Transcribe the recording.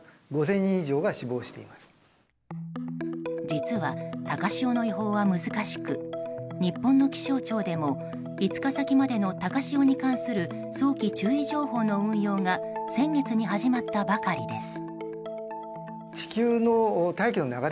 実は、高潮の予報は難しく日本の気象庁でも５日先までの高潮に関する早期注意情報の運用が先月に始まったばかりです。